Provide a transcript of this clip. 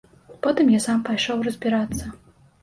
Потым я сам пайшоў разбірацца.